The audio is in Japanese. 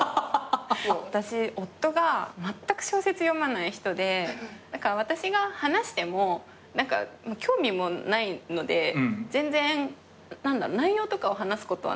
私夫がまったく小説読まない人で私が話しても何か興味もないので全然内容とかを話すことはなくて。